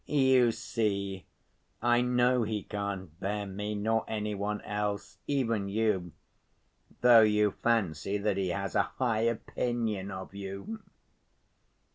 "You see, I know he can't bear me, nor any one else, even you, though you fancy that he has a high opinion of you.